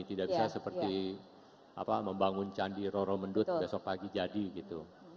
tidak bisa seperti membangun candi roro mendut besok pagi jadi gitu